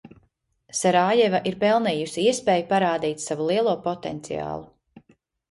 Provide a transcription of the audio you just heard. Sarajeva ir pelnījusi iespēju parādīt savu lielo potenciālu.